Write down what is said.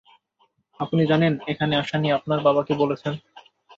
আপনি জানেন, এখানে আসা নিয়ে আপনার বাবা কী বলেছেন?